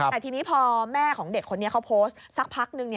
แต่ทีนี้พอแม่ของเด็กคนนี้เขาโพสต์สักพักนึง